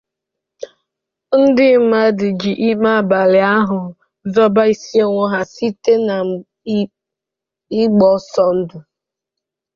ndị mmadụ ji ime abalị ahụ zọba isi onwe ha site n’ịgba ọsọ ndụ